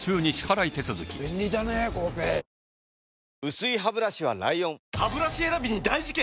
薄いハブラシは ＬＩＯＮハブラシ選びに大事件！